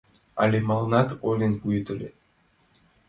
— Ала мыланнат ойлен пуэт ыле...